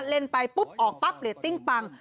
เล่นไปปุ๊บออกปั๊บเรตติ้งปัง